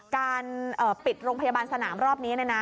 การปิดโรงพยาบาลสนามรอบนี้